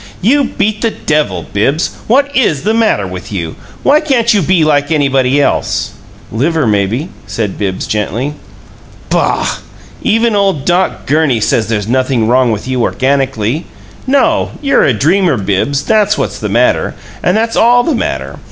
"You beat the devil! Bibbs, what IS the matter with you? Why can't you be like anybody else?" "Liver, maybe," said Bibbs, gently. "Boh! Even ole Doc Gurney says there's nothin' wrong with you organically. No. You're a dreamer, Bibbs; that's what's the matter, and that's ALL the matter.